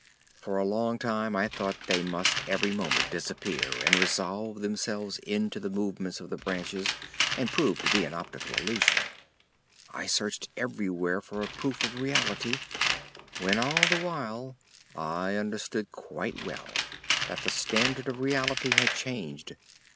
For a long time I thought they must every moment disappear and resolve themselves into the movements of the branches and prove to be an optical illusion. I searched everywhere for a proof of reality, when all the while I understood quite well that the standard of reality had changed.